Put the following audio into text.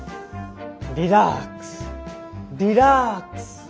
リラックスリラックス。